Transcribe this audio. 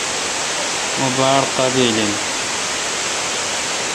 مہ باڑ قابل این۔